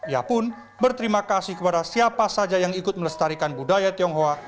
ia pun berterima kasih kepada siapa saja yang ikut melestarikan budaya tionghoa